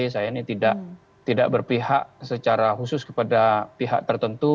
saya ini tidak berpihak secara khusus kepada pihak tertentu